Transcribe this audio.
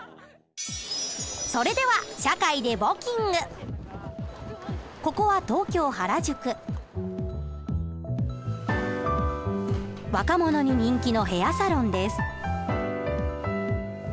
それではここは若者に人気のヘアサロンです。